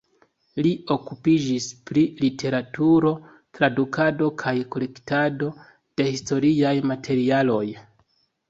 Li okupiĝis pri literaturo, tradukado kaj kolektado de historiaj materialoj.